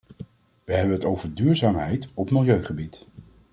We hebben het over duurzaamheid op milieugebied.